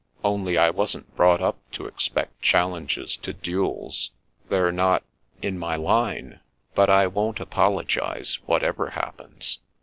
Only I wasn't brought up to expect chal lenges to duels. They're not — in my line. But I won't apologise, whatever happens.